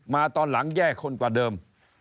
ตอนหลังแย่คนกว่าเดิม